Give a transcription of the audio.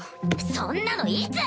そんなのいつ。